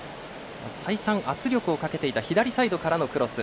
再三、圧力をかけていた左サイドからのクロス。